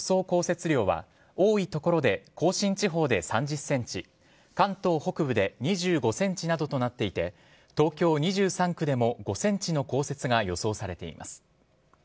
降雪量は多い所で甲信地方で３０ｃｍ関東北部で２５ｃｍなどとなっていて東京２３区でも５ｃｍの降雪が予想されています。